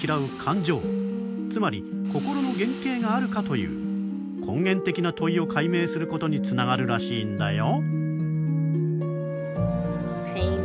つまり心の原形があるかという根源的な問いを解明することにつながるらしいんだよ。